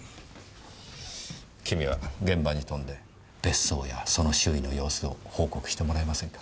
君は現場に飛んで別荘やその周囲の様子を報告してもらえませんか？